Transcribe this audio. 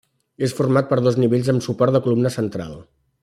És format per dos nivells amb suport de columna central.